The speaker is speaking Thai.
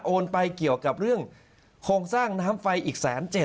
ไปเกี่ยวกับเรื่องโครงสร้างน้ำไฟอีก๑๗๐๐